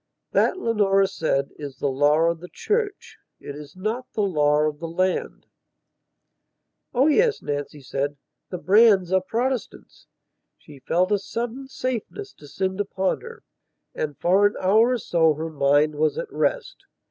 "That," Leonora said, "is the law of the church. It is not the law of the land...." "Oh yes," Nancy said, "the Brands are Protestants." She felt a sudden safeness descend upon her, and for an hour or so her mind was at rest.